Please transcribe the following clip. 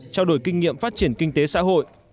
trao đổi kinh nghiệm phát triển kinh tế xã hội